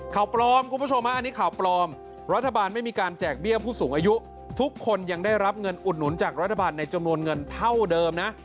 ข่าวปลอมคุณผู้ชมอันนี้ข่าวปลอมรัฐบาลไม่มีการแจกเบี้ยผู้สูงอายุทุกคนยังได้รับเงินอุดหนุนจากรัฐบาลในจำนวนเงินเท่าเดิมนะ